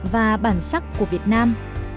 và bản sắc của việt nam